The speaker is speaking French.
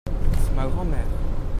C'est ma grand-mère.